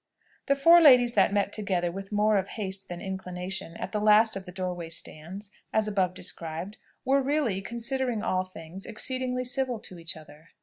The four ladies that met together with more of haste than inclination at the last of the door way stands, as above described, were really, considering all things, exceedingly civil to each other.